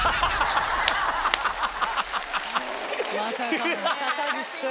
まさかの高岸君。